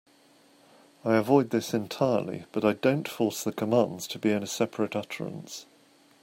I avoid this entirely, but I don't force the commands to be in a separate utterance.